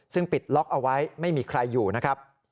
ซึ่งปิดล็อกเอาไว้ไม่มีใครอยู่นะครับ